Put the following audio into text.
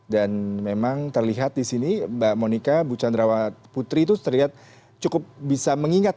dan memang terlihat di sini mbak monika bu candrawati putri itu terlihat cukup bisa mengingat